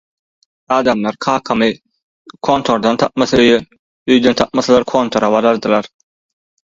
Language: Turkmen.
Adamlar kakamy kontordan tapmasa öýe, öýden tapmasalar kontora barardylar.